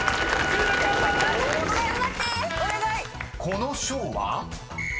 ［この賞は？］